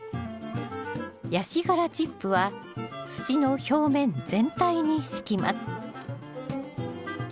ヤシ殻チップは土の表面全体に敷きます